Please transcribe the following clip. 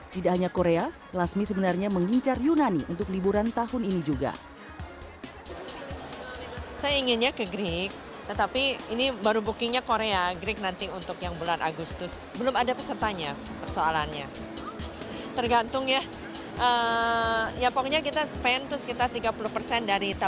tidak hanya korea lasmi sebenarnya mengincar yunani untuk liburan tahun ini juga